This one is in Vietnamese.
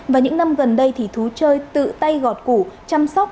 và những năm gần đây thì thú chơi tự tay gọt củ chăm sóc